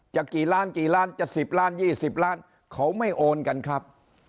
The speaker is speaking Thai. กี่ล้านกี่ล้านจะ๑๐ล้าน๒๐ล้านเขาไม่โอนกันครับ